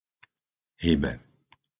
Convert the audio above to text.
Hybe